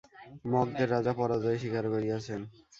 মগদের রাজা পরাজয় স্বীকার করিয়াছেন।